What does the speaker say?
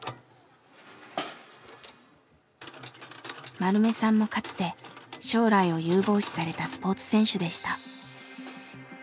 丸目さんもかつて将来を有望視されたスポーツ選手でした。